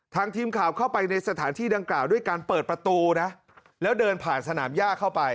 ทีมข่าวเข้าไปในสถานที่ดังกล่าวด้วยการเปิดประตูนะแล้วเดินผ่านสนามย่าเข้าไป